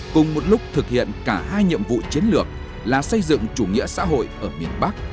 cùng một lúc thực hiện cả hai nhiệm vụ chiến lược là xây dựng chủ nghĩa xã hội ở miền bắc